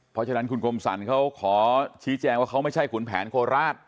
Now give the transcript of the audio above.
เพราะฉะนั้นคุณกมสรรเขาขอชี้แจงว่าเขาไม่ใช่ขุนแผนโคราช